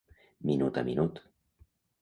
Minut a minut.